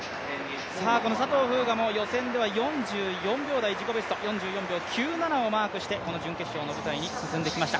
佐藤風雅も予選では自己ベストの４４秒９７をマークして準決勝の舞台に進出してきました。